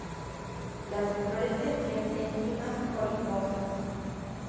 Las inflorescencias en cimas corimbosas.